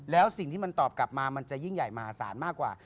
แล้วสิ่งที่มันตอบกลับมามันจะยิ่งใหญ่มหาศาลมากกว่า